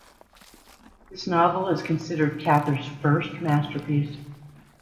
This novel is considered Cather's first masterpiece.